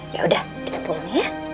yaudah kita pulang ya